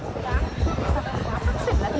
คิดว่าเขาปล่อยปืนแล้วจุดประทัดก็เลยไม่ได้สนใจ